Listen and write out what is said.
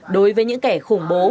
đối với những kẻ khủng bố